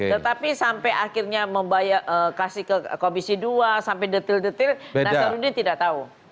tetapi sampai akhirnya kasih ke komisi dua sampai detil detil nasaruddin tidak tahu